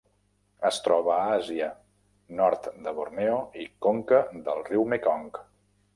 Es troba a Àsia: nord de Borneo i conca del riu Mekong.